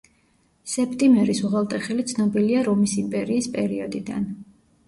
სეპტიმერის უღელტეხილი ცნობილია რომის იმპერიის პერიოდიდან.